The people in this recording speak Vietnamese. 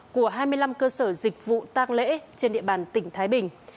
của hai mươi năm cơ sở dịch vụ tăng lễ trên địa bàn tỉnh thái bình